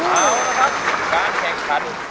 เอาละครับการแข่งขัน